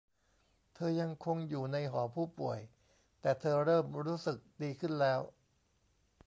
เธอยังคงอยู่ในหอผู้ป่วยแต่เธอเริ่มรู้สึกดีขึ้นแล้ว